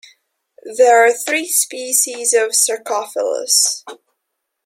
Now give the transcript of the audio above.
There are three species of "Sarcophilus".